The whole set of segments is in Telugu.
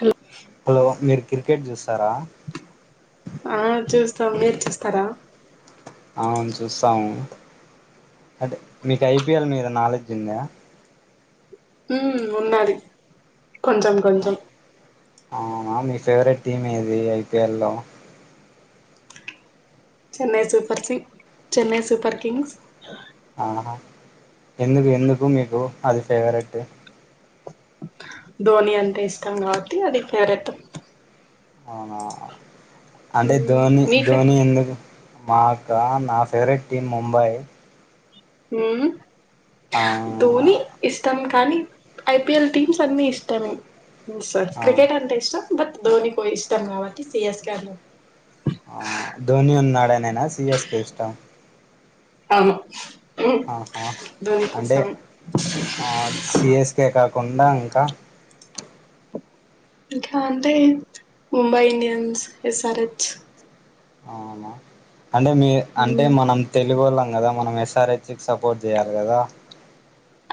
హలో హలో మీర్ క్రికెట్ జస్ ఆ చూస్ సో మీరు చూస్తారా అవును చూస్తాం అంటే మీకు ఐపీఎల్ మీద నాలెడ్జ్ ఉందా ఉమ్ ఉన్నాది కొంచెం కొంచం అవునా మీ ఫేవరెట్ టీమ్ ఏది ఐపీఎల్ లో చెన్నై సూపర్ సింగ్ చెన్నై సూపర్ కింగ్స్ ఆహా ఎందుకు ఎందుకు మీకు అది ఫేవరెట్ ధోని అంటే ఇష్టం కాబట్టి అది ఫేవరెట్ అవునా అంటే ఉమ్, ధోని మీ ఫే ధోని ఎందుక్ మాకా నా ఫేవరెట్ టీమ్ ముంబై హుమ్ ఆ ధోని ఇష్టం కానీ ఐపీఎల్ టీమ్స్ అన్నిఇష్టమే సార్ ఆ క్రికెట్ అంతే ఇష్ట బట్ దోని కో ఇష్టమం గావట్టి సిఎస్ కె ఆడినం ఆ ధోని ఉన్నాడనేనా సిఎస్కె ఇష్టం అవును మ్మ్ ఆహా ధోని అంటే కోసమే ఆ సిఎస్కే కా కొడా ఇంక ఇట్లా అంటే ముంబై ఇండియన్స్ ఎస్ఆర్ హెచ్ అవున అంటే మీ అంటే మ్మ్ మనం తెలుగోళం కదా మనం ఎస్ఆర్ హెచ్ కి సపోర్ట్ చేయాలి కదా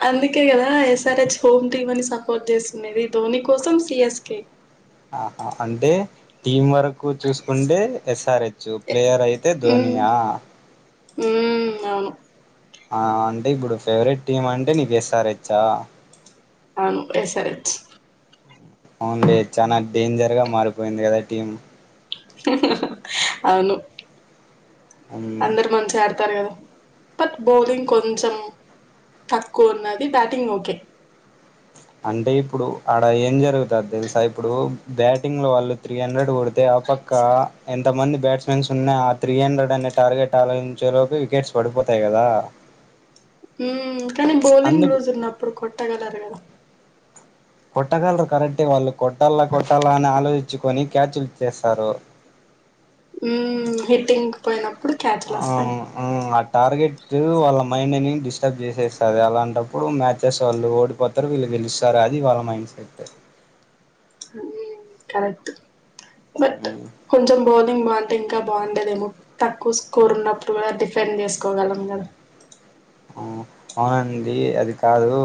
అందుకే కదా ఎస్ఆర్ హెచ్ హోమ్ టీమ్ అని సపోర్ట్ చేస్తుండది ధోని కోసం సి స్ కె ఆహా అంటే టీమ్ వర్క్ ఎక్కు చూసుకుంటే ఎస్ఆర్ హెచ్ ప్లేయర్ అయితే ధోనియా ఉ అవును ఆ అంటే ఇప్పుడు ఫేవరెట్ టీమ్ అంటే నీకు ఎస్ఆర్ హెచ్చా అవును ఎస్ ఆర్ హెచ్ అవునులే చాలా డేంజర్ గా మారిపోయింది కదా టీమ్ అవును ఉమ్, అందరు మంచిగా ఆడ్ కదా బట్ బౌలింగ్ కొంచెం తక్కువ ఉన్నది బ్యాటింగ్ ఓకే అంటే ఇప్పుడు అడ ఏం జరుగుతది తెలుసా ఇప్పుడు బ్యాటింగ్ లో వాళ్ళు త్రీ హండ్రెడ్ కొడితే ఆ పక్క ఎంత మంది బ్యాట్స్మెన్స్ ఉన్నాయి ఆ త్రీ హండ్రెడ్ అనే టార్గెట్ ఆలోచించేలోకి వికెట్స్ పడిపోతాయి కదా ఉ కానీ బౌలింగ్ అందుకు లూజ్ ఉన్నప్పుడు కొట్టగలరు కదా కొట్టగలరు కరెక్టే వాళ్ళు కొట్టాల కొట్టాల అని ఆలోచించుకొని క్యాచ్లు ఇచేస్తారు ఉ హిట్ంగ్ పోయిన ఆ ఉ టార్గెట్ వాళ్ళ మైండ్ ని డిస్టర్బ్ చేసేస్తుంది అలాంటప్పుడు మ్యాచెస్ వాళ్ళు ఓడిపోతారు వీళ్ళు గెలుస్తారు అది వాళ్ళ మైండ్ సెట్ కరెక్ట్ బట్ కొంచం బత్ బౌలింగ్ బాగుంటే ఇంకా బాగుండేదేమో తక్కువ స్కోర్ ఉన్నప్పుడు కూడా డిఫెండ్ చేసుకోగలం కదా ఆ అవునండి అది కాదు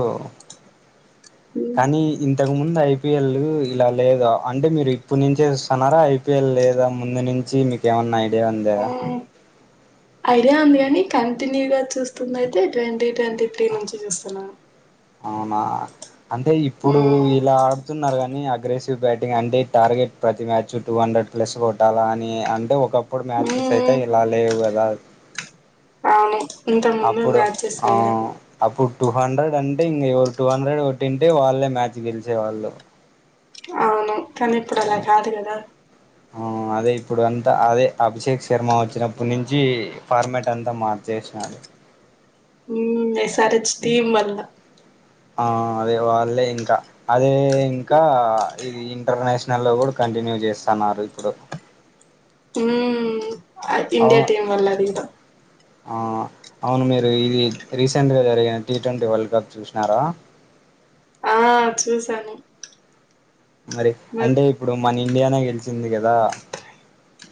హ్మ్. కానీ ఇంతకు ముందు ఐపిఎల్ ఇలా లేదా అంటే మీరు ఇప్పుడు నుంచేస్తునరా ఐపిఎల్ లేదా ముందు నుంచి మీకేమన్నా [unintelligible] ఐడియా ఉంది కానీ కంటిన్యూగా చూస్తుంది అయితే ట్వంటీ ట్వంటీ త్రీ నుంచి చూస్తునా అవునా అంటే ఇప్పుడు మ్మ్ ఇలా ఆడుతున్నారు కాని అ అగ్రెసివ్ బ్యాటింగ్ అంటే టార్గెట్ ప్రతి మ్యాచ్ టూ హండ్రెడ్ ప్లస్ కొట్టాలా అని అంటే ఒక అప్పుడు మ్యాచెస్ అయితే మ్మ్ ఇలా లేవు కదా అవును ఇంత ముందు అప్పుడు మ్యాచెస్ ఆ వేరు అప్పుడు టూ హండ్రెడ్ అంటే ఇంక ఎవరు టూ హండ్రెడ్ కొట్టింటే వాళ్ళు మ్యాచ్ గెలిచేవాళ్ళు అవును కాని ఇప్పుడు అలా కాదు గదా. ఆ అదే ఇప్పుడు అంతా అదే అభిషేక్ శర్మా వచ్చినప్పటి నుంచీ ఫార్మెట్ అంతా మార్చేశినారు. ఊ ఎస్ ఆర్ హెచ్ టీమ్ వళ్ళ. ఆ అదే వాళ్ళే ఇంకా. అదే ఇంకా ఇది ఇంటర్నేషనల్ లో గూడా కంటిన్యూ చేస్తాన్నారు ఇప్పుడు. హ్మూ ఇండీయా టీమ్ వల్ల అది ఇద అవ అవును మీరు ఇది రీసెంట్గా జరిగిన టీ ట్వంటీ వరల్డ్ కప్ చూశినారా. ఆ చూసాను. మరి మ అంటే ఇప్పుడు మన ఇండియానే గెలిచ్ చిందిగదా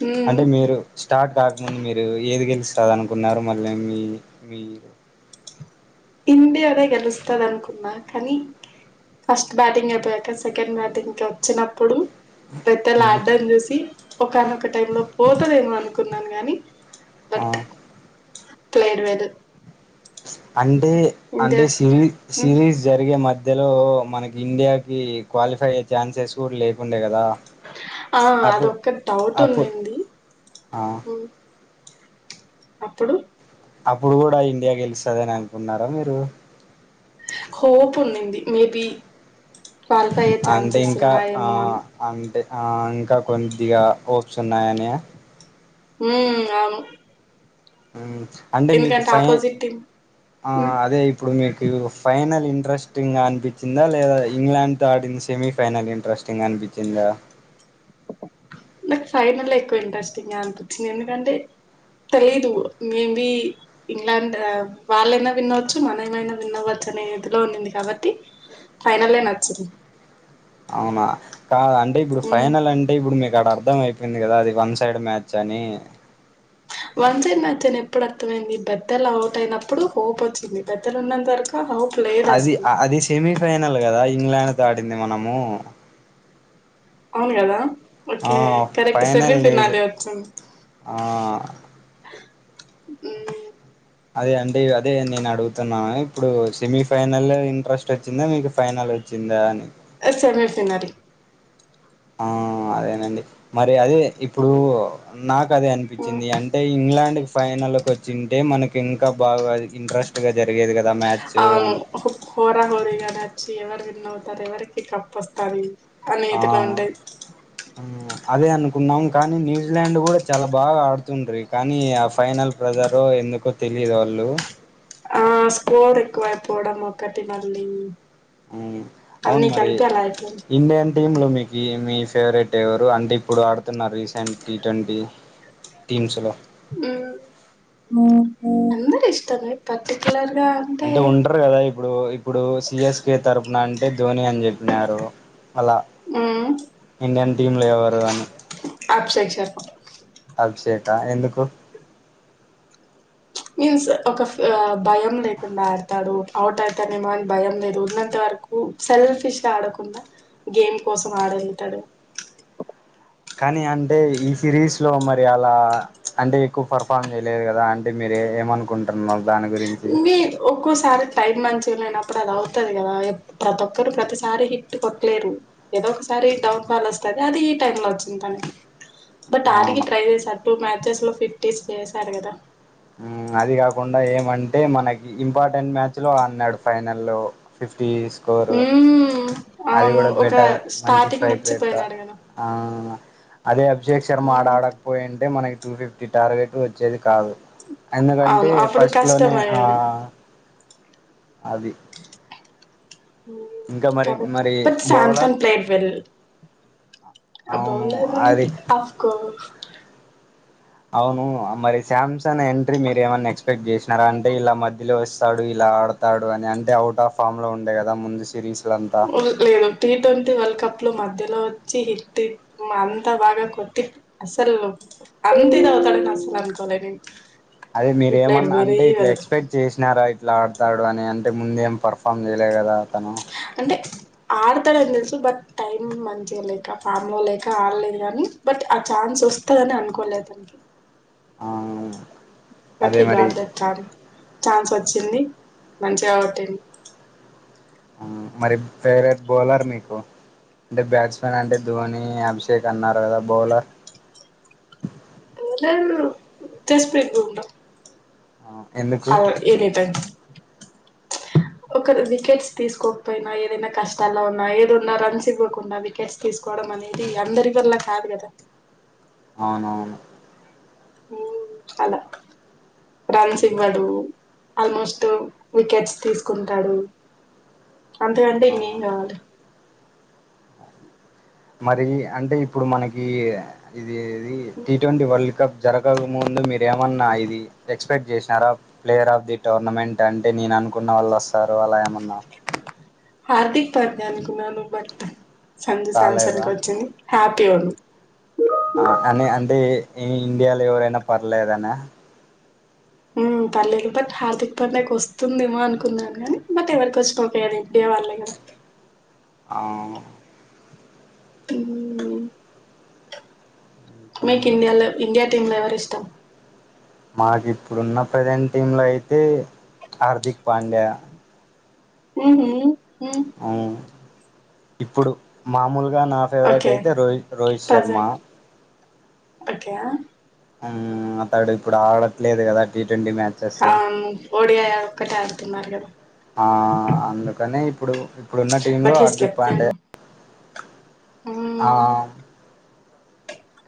మ్మ్ అంటే మీరు స్టార్ట్ కాకముందు మీరూ ఏది గెలిస్ స్తా దనుకున్నారు మళ్ళ మీ మీ ఇండియానే గెలుస్తాది అనుకున్నా కానీ, ఫస్ట్ బ్యాటింగ్ అయిపోయాక సెకండ్ బ్యాటింగ్ కొచ్చినప్పుడు. పెత్తా ఉమ్, లాడడం చూసి ఒకానొక టైం లో పోతదేమో అనుకున్నాను గానీ. ఆ క్లియర్ వెద అం టే అంటే సిరీ సిరీస్ జరిగే మధ్ మధ్యలో మనకి ఇండియాకీ క్వాలిఫై అయ్యే ఛాన్సెస్ కూడ లేకుండే గదా. ఆ అదొక్క డౌట్ అప్పుడు ఉండింది. ఆ ఊ అప్పుడు అప్పుడు గూడా ఇండియా గెలుస్తదనే అనుకున్నారా మీరూ. హోప్ ఉండింది. మేబీ అంటే ఇంకా ఆ అని అంటే ఆ ఇంకా కొంద్దిగా హోప్స్ ఉన్నాయనియా. ఊ అవును ఆ అంటే మీకు ఎందుకంటే ఫైఏ ఆపోజిట్ టీమ్ ఆ అదే ఇప్పుడు మీక్ [unintelligible] ఫైనల్ ఇంట్రెస్టింగ్ గా అనిపిచ్చిందా లేదా ఇంగ్లాండ్ తో ఆడింది సెమీఫైనల్ ఇంట్రెస్టింగా అనిపిచ్చిందా. ఫైనలే ఎక్కువ ఇంట్రెస్టింగా అనిపిచ్చింది. ఎందుకంటే తెలీదు మేబీ ఇంగ్లాండ్ ఆ వాళ్ళైనా విన్ అవ్యచ్చు మన మైనా విన్అవ్వచ్చు అనే ఇదిలో ఉండింది కాబట్టి ఫైనలే నచ్చింది. అవునా కాద్ అంటే ఇప్పుడు హ్మ్ ఫైనల్ అంటే ఇప్పుడు మీకు ఆడ అర్థం అయిపోయింది గదా అది. వన్ సైడ్ మ్యాచ్ అనీ వన్ సైడ్ మ్యాచ్ అని ఎప్పుడు అర్థమైంది బెద్దల్ అవుట్ అయినప్పుడు హోప్ వచ్చింది బెద్దల్ ఉన్నంత వరకు హోప్ లేదు అది అసలు అది సెమీఫైనల్ కదా ఇంగ్లాండ్ తో ఆడింది మనము అవును కదా ఆ ఓకే కరెక్ట్ ఫైనల్ సేఫర్ న్యూజి నాదే వచ్చింది ఆ ఉమ్ అదే అండి అదే నేను అడుగుతున్నా ఇప్పుడు సెమీ ఫైనల్ ఇంట్రెస్ట్ వచ్చిందా మీకు ఫైనల్ వచ్చిందా అని అ సేమి ఫైనల్ ఆ అదేనండి మరి అది ఇప్పుడు నాకు అదే అనిపించింది అంటే ఇంగ్లాండ్ ఫైనల్కి వచ్చింటే మనకి ఇంకా బాగా ఇంట్రెస్ట్ గా జరిగేది కదా మ్యాచ్ ఆ అని హోరా హోరిగా నచ్చి ఎవ ఎన్నవుతారు ఎవరికి కప్పొస్తారు ఆ అనేదిలు ఉంట ఆ, అదే అనుకున్నాం కానీ ఇంగ్లాండ్ కూడా చాలా బాగా ఆడుతుండ్రి కానీ ఆ ఫైనల్ ప్రజారొ ఎందుకో తెలియదు వాళ్ళు ఆ స్కోర్ ఎక్కువ అయిపోవడం ఒకటి మళ్లి అవున్ మరి అయిపోయింది ఇంన్ టీమ్లు మీకు మీ ఫేవరెట్ ఎవరు అంటే ఇప్పుడు ఆడుతున్నారు రీసెంట్ టీ ట్వంటీ టీమ్స్ లో ఉమ్ అ అందరి ఇష్ట అంటే ఉంటరు కదా ఇప్పుడు ఇప్పుడు సిఎస్కే తరపుున అంటే ధోని అని చెప్పి నారు అలా మ్మ్. ఇండియన్ టీంలు ఎవరు అని అభిషేక్ శర్మ అభిషేకా ఎందుకు మీన్స్ ఒక భయం లేకుండా ఆడతాడు అవుట్ అవుతానేమో అని భయం లేదు ఉన్నంత వరకు సెల్ఫిష్ ఆడకుండా గేమ్ కోసం ఆడతాడు కానీ అంటే ఈ సిరీస్ లో మరి అలా అంటే ఎక్కువ పర్ఫార్మ్ చేయలేదు కదా అంటే మీరు ఏమనుకుంటున్నారు దాని గురించి మీ ఒక్కోసారి టైం మంచి అయినప్పుడు అది అవుతది కదా ప్రతి ఒక్కరు ప్రతిసారి హిట్ కొట్టలేరు ఏదో ఒకసారి డౌన్ ఫాల్ వస్తది అది ఈ టైమ్ లో వచ్చింది తనే బట్ ఆగ అవును ట్రై సర్ మ బెస్ లో ఫిఫ్టీస్ చేసారు కదా అది కాకుండా ఏమంటే మనకి ఇంపార్టెంట్ మ్యాచ్ లో అన్నాడు ఫైనల్ లో ఫిఫ్టీ స్కోరు హ్మ్ అది అవును కూడా ఒక బెటర్ స్టార్టింగ్ ఇచ్చిపోయినారు కదా అ అదే అద్ భిషేక్ శర్మ ఆడ మ్మ్. ఆడకపోయింటే మనకి టూ ఫిఫ్టీ టార్గెట్ వచ్చేది కాదు ఎందుకంటే అవును అప్పుడు ఫస్ట్ లోనే ఆ కష్టమయ్యేది అది ఇంకా మరి కాబట్టి మరి but bowler Samsung play well అవును అబౌలర్ అది ఆఫ్కో అవును ఆ మరి శామ్స్ సన్ ఎంట్రీ మీరేమన్నా నెక్స్ ఎక్స్పెక్ట్ చేసినారా అంటే ఇలా మధ్యలో వస్తాడు ఇలా ఆడతాడు అని అంటే అవుట్ ఆఫ్ ఫామ్ లో ఉండే కదా ముందు సిరీస్ లేదు టీ ట్వంటీ వరల్డ్ కప్ లో మధ్య లో వచ్చి హిట్ అంతా బానే కొట్టి అసలు అంతిదవుతాడని అసలు అనుకోలే నిన్ అదే మీరేమన్నా అంటే ఇట్లా ఎక్స్పెక్ట్ చేసినారా ట్లా ఆడతాడు అని అంతకుముందెం పర్ఫామ్ చేయలే కదా అతను అంటే ఆడతాడని తెలుసు బట్ టైమ్ మంచిగా లేక ఫామ్ లో లేక ఆడలేదుగాని బట్ ఆ ఛాన్స్ వస్తదని అనుకోలే అతనికి ఆ బట్ అదే మరి [unintelligible] చాన్స్ వచ్ చ్చింది మంచిగ కొట్టిన్ హు మరి ఫేవరెట్ బౌలర్ మీకు అంటే బ్యాట్స్మెన్ అంటే ధోని అభిషేక్ అన్నారు కదా బౌలర్ బౌలర్ జె స్పీ బుమ్రా ఎందుకు హ ఏదేతన్ ఒక వికెట్స్ తీసుకోకపోయినా ఏదైనా కష్టాల్లో ఉన్నా ఏదున్నా రన్స్ ఇవ్వకుండా వికెట్స్ తీసుకోవడం అనేది అందరి వల్ల కాదు కదా అవునవును హు అలా రన్స్ ఇవ్వడు ఆల్మోస్ట్ వికెట్స్ తీసుకుంటాడు అంత కంటే ఆ, ఇంకేం కావాలి మరి అంటే ఇప్పుడు మనకి ఇది ఏదీ టీ ట్వంటీ వరల్డ్ కప్ జరగక ముందు మీరేమన్నా ఇది ఎక్స్పెక్ట్ చేసినారా ప్లేయర్ ఆఫ్ ది టోర్నమెంట్ అంటే నేను అనుకున్న వాళ్లోస్ స్తారు అలా ఏమన్నా హార్దిక్ పాండ్య అనుకున్నాను బట్ సంజు సంసన్ రాలేదా కొచ్చింది హ్యాపి గుండు ఆ అని అంటే ఇండియాలో ఎవరైనా పర్లేదనా హు పర్లేదు బట్ హార్దిక్ పాండ్య కొస్తుందేమో అని అనుకున్నా కాని బట్ ఎవరికి ఒచ్చిన ఓకే కద ఇండియా వాళ్ళే కద ఆ హ్మ్ ఇంకా మేక్ ఇండియాల ఇండియా టేవరిష్టం మాకు ఇప్పుడున్న ప్రజెంట్ టీమ్ లో అయితే హార్దిక్ పాండ్యా ఉహుమ్ అ ఇప్పుడు మామూలు గా నా ఫేవరెట్ ఓకే అయితే రోహిత్ రోహిత్ శర్మ ప్రజెంట్ ఓకే అతడు ఇప్పుడు ఆడట్లేదు కదా ట్ మ్యాచెస్ ఓడిఐ ఒక్కటే ఆడుతున్నారు కదా అందుకనే ఇప్పుడు ఇప్పుడున్న టీ లో but he's Hardik captain Pandya ఆ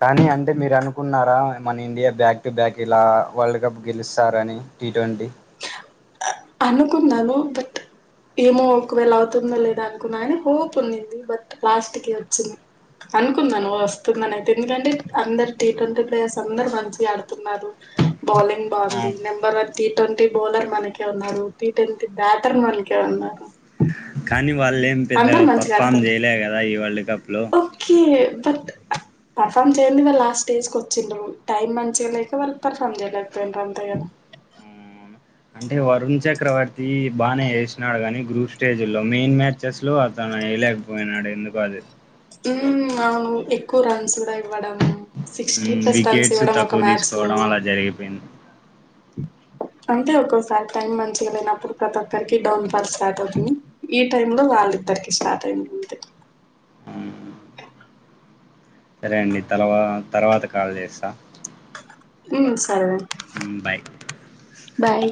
కానీ అంటే మీరు అనుకున్నారా మన ఇండియా బ్యాక్ టు బ్యాక్ ఇలా వరల్డ్ కప్ గెలుస్తారని టీ ట్వంటీ అనుకున్నాను బట్ ఏమో ఒకవేళ అవుతుందో లేదా అనుకున్నా అని హోప్ ఉందింది బట్ లాస్ట్ కి వచ్చింది అనుకున్నాను వస్తుందనయితే ఎందుకంటే అందరు టీ ట్వంటీ ప్లేయర్స్ అందరు మంచిగా ఆడుతున్నారు బౌలింగ్ బాగుంది ఉమ్ నెంబర్ వన్ టీ ట్వం గోదర్ మనకే ఉన్నారు టీ ట్వంటీ బెటర్ మనకే ఉన్నారు కానీ వాళ్ళేం పెద్దగా అందరు మంచిగా పర్ఫార్మ్ ఆడతారు చేయలే కదా ఇవళ్ళ ఓకే బట్ పెర్ఫర్మ్ చేయకుండా లాస్ట్ స్టేజ్ కీ వచ్చిండ్ర టైమ్ మంచిగా లేక వాళ్ళు పర్ఫార్మ్ చేయలేకపోయిండ్ర అంతేకద అంటే వరుణ్ చక్రవర్తి బాగానే వేసినాడు కానీ గ్రూప్ స్టేజ్ల్లో మెయిన్ మ్యాచెస్ లో అతను వేయలేకపోయినాడు ఎందుకు అది ఉ అవును ఎక్కువ రన్స్ ఇవ్వడం సిక్స్టీ ప్లస్ టమ్స్ వికెట్స్ ఇవ్వడం ఒక తక్కువ మ్యాచ్ లో తీసుకోవడం అలా జరిగిపోయింది అంటే ఒక్కోసారి టైం మంచిగా లేనప్పుడు ప్రతి ఒక్కరికి డౌన్ ఫాల్ స్టార్ట్ అవుతుంది ఈ టైంలో వాళ్ళిద్దరికి స్టార్ట్ అయి ఉంది సరే అండి తర్వా తర్వాత కాల్ చేస్తా ఇ సరే బాయ్ బాయ్